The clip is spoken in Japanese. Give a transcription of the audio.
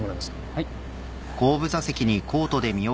はい。